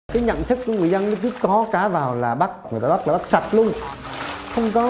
cái nhận thức của người dân là cứ có cá vào là bắt người ta bắt là bắt sạch luôn không có